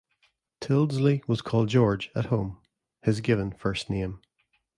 Tyldesley was called 'George' at home, his given first name.